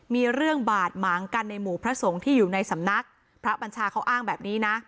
มีเรื่องบาดหมางกันในหมู่พระสงฆ์ที่อยู่ในสำนักพระบัญชาเขาอ้างแบบนี้นะ